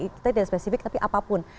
kita tidak spesifik tapi apapun